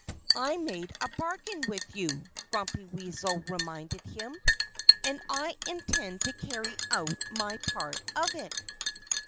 "I made a bargain with you," Grumpy Weasel reminded him, "and I intend to carry out my part of it."